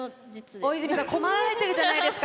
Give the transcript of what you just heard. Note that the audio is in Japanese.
大泉さん困られてるじゃないですか。